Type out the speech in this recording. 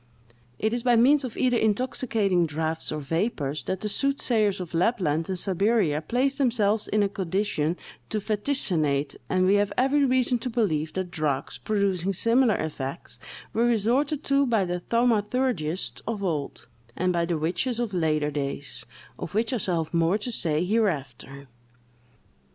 It is by means of either intoxicating draughts or vapors that the soothsayers of Lapland and Siberia place themselves in a condition to vaticinate; and we have every reason to believe that drugs, producing similar effects, were resorted to by the thaumaturgists of old, and by the witches of later days, of which I shall have more to say hereafter.